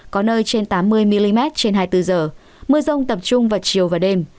có nơi trên tám mươi mm trên hai mươi bốn h mưa rông tập trung vào chiều và đêm